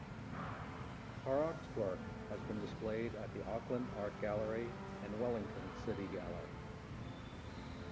Horrocks' work has been displayed at the Auckland Art Gallery and Wellington's City Gallery.